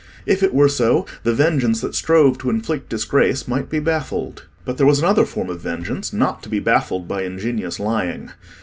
If it were so, the vengeance that strove to inflict disgrace might be baffled. But there was another form of vengeance not to be baffled by ingenious lying.